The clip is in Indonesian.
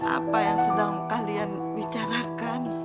apa yang sedang kalian bicarakan